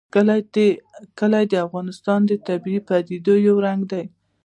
کلي د افغانستان د طبیعي پدیدو یو رنګ دی.